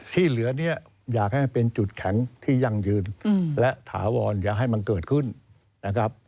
ที่เหลือเนี่ยอยากให้เป็นจุดแข็งที่ยั่งยืนและถาวรอย่าให้มันเกิดขึ้นนะครับ